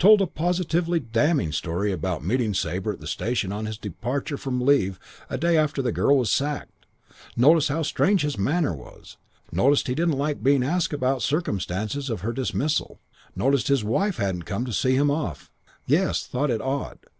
Told a positively damning story about meeting Sabre at the station on his departure from leave a day after the girl was sacked. Noticed how strange his manner was; noticed he didn't like being asked about circumstances of her dismissal; noticed his wife hadn't come to see him off. Yes, thought it odd.